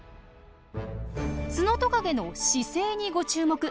ツノトカゲの姿勢にご注目！